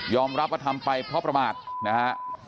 รับว่าทำไปเพราะประมาทนะฮะ